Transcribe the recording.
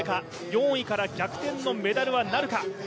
４位から逆転のメダルはなるか。